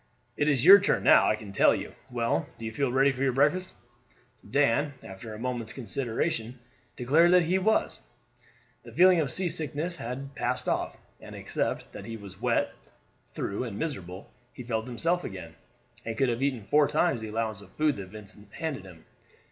It is your turn now, I can tell you. Well, do you feel ready for your breakfast?" Dan, after a moment's consideration, declared that he was. The feeling of seasickness had passed off, and except that he was wet through and miserable, he felt himself again, and could have eaten four times the allowance of food that Vincent handed him.